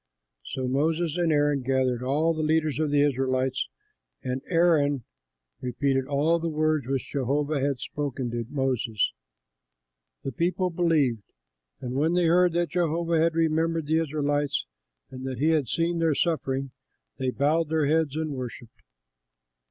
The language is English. So Moses and Aaron gathered all the leaders of the Israelites, and Aaron repeated all the words which Jehovah had spoken to Moses. The people believed; and when they heard that Jehovah had remembered the Israelites and that he had seen their suffering, they bowed their heads and worshipped.